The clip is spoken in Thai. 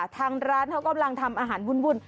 ทางร้านเขากำลังทำอาหารวุ่น